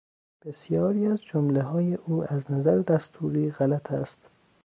بسیاری از جملههای او از نظر دستوری غلط است.